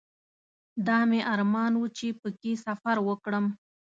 دا مې ارمان و چې په کې سفر وکړم.